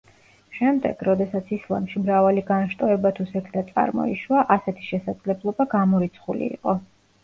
შემდეგ, როდესაც ისლამში მრავალი განშტოება თუ სექტა წარმოიშვა, ასეთი შესაძლებლობა გამორიცხული იყო.